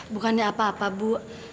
bukannya apa apa bu